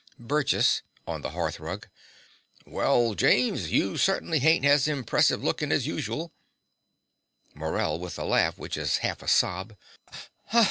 BURGESS (on the hearth rug). Well, James, you certainly ain't as himpressive lookin' as usu'l. MORELL (with a laugh which is half a sob).